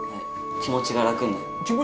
気持ちが楽になる？